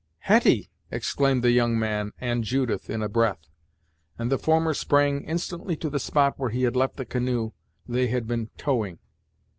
"Hetty!" exclaimed the young man and Judith in a breath; and the former sprang instantly to the spot where he had left the canoe they had been towing.